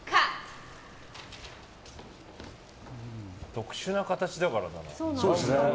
特殊な形だからな。